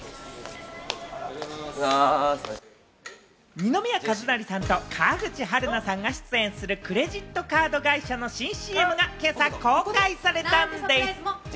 二宮和也さんと川口春奈さんが出演するクレジットカード会社の新ＣＭが今朝公開されたんでぃす。